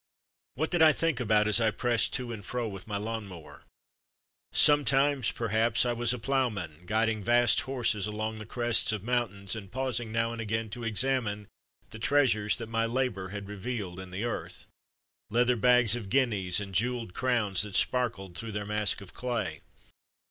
What did I think about as I pressed to and fro with my lawn mower? Sometimes, per haps, I was a ploughman, guiding vast horses along the crests of mountains, and paus ing now and again to examine the treasures that my labour had revealed in the earth, leather bags of guineas and jewelled crowns that sparkled through their mask of clay.